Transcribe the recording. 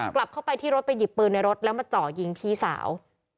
กลับเข้าไปที่รถไปหยิบปืนในรถแล้วมาเจาะยิงพี่สาว